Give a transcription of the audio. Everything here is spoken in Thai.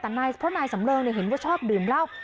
แต่นายพ่อนายสำเริงเห็นว่าชอบดื่มลับ